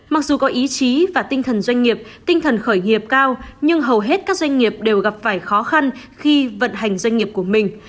mặc dù có ý chí và tinh thần doanh nghiệp tinh thần khởi nghiệp cao nhưng hầu hết các doanh nghiệp đều gặp phải khó khăn khi vận hành doanh nghiệp của mình